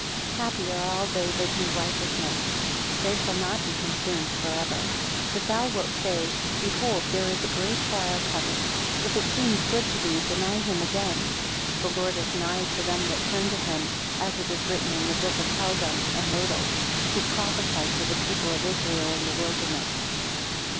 28 Happy are all they that do righteousness, they shall not be consumed for ever. 29 But thou wilt say, Behold there is a great trial coming. If it seem good to thee, deny him again. 30 The Lord is nigh to them that turn to him, as it is written in the book of Heldam and Modal, who prophesied to the people of Israel in the wilderness.